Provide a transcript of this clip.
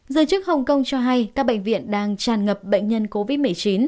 giới chức hồng kông cho hay các bệnh viện đang tràn ngập bệnh nhân covid một mươi chín